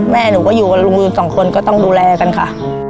แม่หนูก็อยู่กับลุงอีกสองคนก็ต้องดูแลกันค่ะ